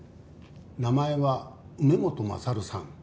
名前は梅本勝さん。